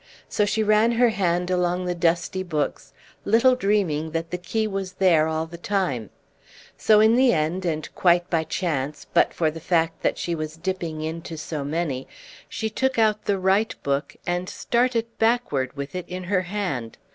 So she ran her hand along the dusty books, little dreaming that the key was there all the time; so in the end, and quite by chance, but for the fact that she was dipping into so many, she took out the right book, and started backward with it in her hand.